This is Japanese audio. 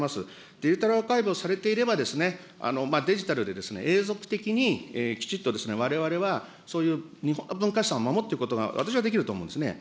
デジタルアーカイブをされていれば、デジタルで永続的に、きちっとわれわれはそういう日本の文化資産を守っていくことが私はできると思うんですね。